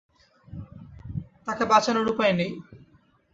তাকে বাঁচানোর উপায় নেই!